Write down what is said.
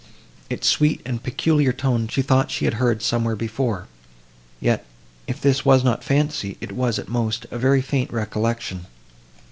Its sweet and peculiar tones she thought she had somewhere heard before; yet, if this was not fancy, it was, at most, a very faint recollection.